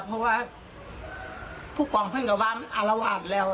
เพราะว่าผู้กองเพื่อนกับบ้านอารวาสแล้ว